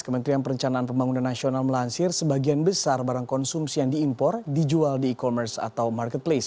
kementerian perencanaan pembangunan nasional melansir sebagian besar barang konsumsi yang diimpor dijual di e commerce atau marketplace